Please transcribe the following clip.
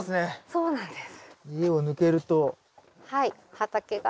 そうなんですよ。